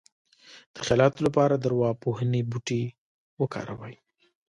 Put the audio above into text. د خیالاتو لپاره د ارواپوهنې بوټي وکاروئ